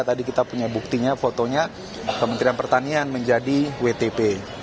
tadi kita punya buktinya fotonya kementerian pertanian menjadi wtp